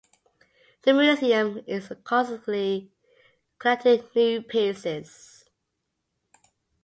The museum is constantly collecting new pieces.